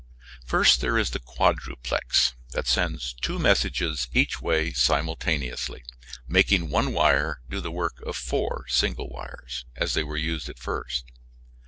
First there is the quadruplex, that sends two messages each way simultaneously, making one wire do the work of four single wires as they were used at first.